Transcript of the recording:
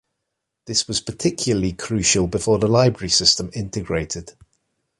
This was particularly crucial before the library system integrated.